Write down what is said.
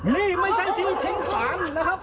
นี่ไม่ใช่ที่ทิ้งขวานนะครับ